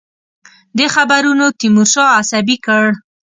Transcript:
دې خبرونو تیمورشاه عصبي کړ.